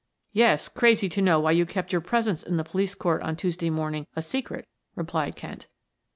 "Yes, crazy to know why you kept your presence in the police court on Tuesday morning a secret," replied Kent.